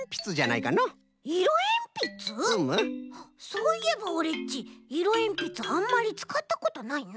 そういえばオレっちいろえんぴつあんまりつかったことないな。